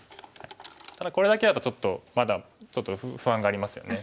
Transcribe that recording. ただこれだけだとちょっとまだ不安がありますよね。